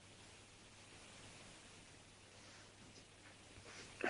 I yimaḥbas-aki ḥuq ur ten-ttɛassan ara?